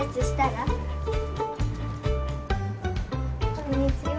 「こんにちは」